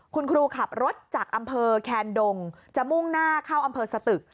คุณครูขับรถจากอำเภอแคนดงจะมุ่งหน้าเข้าอำเภอสตึก